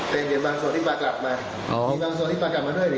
แทนเหรียญบางส่วนที่ปลากลับมาอ๋อมีบางส่วนที่ปลากลับมาด้วยเหรียญ